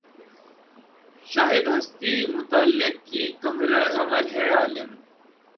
شاہدِ ہستیِ مطلق کی کمر ہے‘ عالم